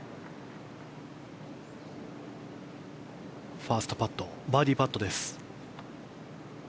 ファーストパットバーディーパットです。